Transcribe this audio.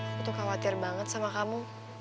aku tuh khawatir banget sama kamu